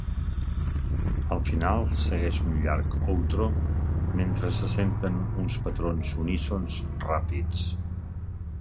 Al final segueix un llarg outro mentre se senten uns patrons unísons ràpids.